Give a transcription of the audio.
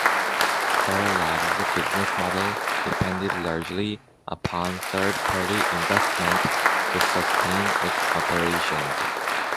Starlab's business model depended largely upon third-party investment to sustain its operations.